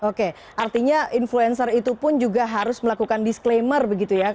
oke artinya influencer itu pun juga harus melakukan disclaimer begitu ya